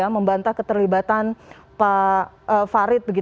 membantah keterlibatan pak farid